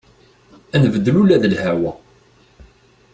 Ad nbeddel ula d lhawa.